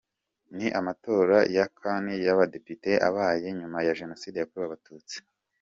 Ni amatora ya Kane y’abadepite abaye nyuma ya Jenoside yakorewe Abatutsi